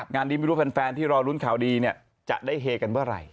งานดีไม่รู้แฟนที่รอรุ้นข่าวดีเนี่ยจะได้เฮกันเว่าไร